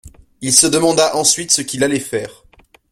Il se demanda ensuite ce qu’il allait faire.